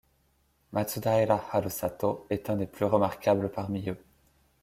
Matsudaira Harusato est un des plus remarquables parmi eux.